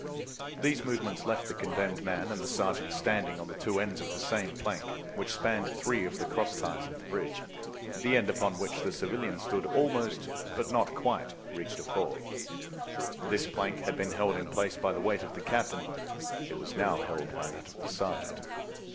These movements left the condemned man and the sergeant standing on the two ends of the same plank, which spanned three of the cross ties of the bridge. The end upon which the civilian stood almost, but not quite, reached a fourth. This plank had been held in place by the weight of the captain; it was now held by that of the sergeant.